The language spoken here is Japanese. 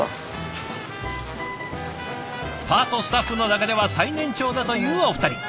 パートスタッフの中では最年長だというお二人。